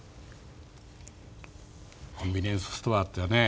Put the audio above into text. コンビニエンスストアっていうのはね